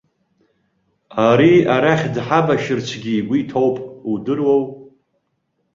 Ари арахь дҳабашьырцгьы игәы иҭоуп, удыруоу.